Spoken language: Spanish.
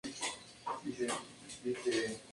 Se encuentra en Sri Lanka y el Mar de Andaman.